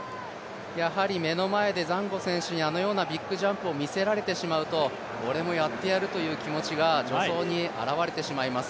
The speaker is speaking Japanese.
やはり目の前でザンゴ選手にあのようなビッグジャンプを見せられてしまうと俺もやってやるという気持ちが助走に表れてしまいます。